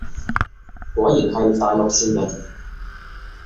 果然係大陸字形